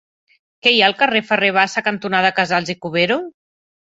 Què hi ha al carrer Ferrer Bassa cantonada Casals i Cuberó?